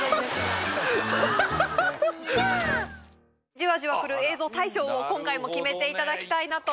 じわじわくる映像大賞を今回も決めていただきたいなと。